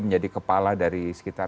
menjadi kepala dari sekitar